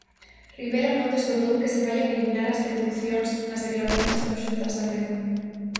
Ribera non desbotou que se vaian eliminar as deducións nas declaracións conxuntas da renda.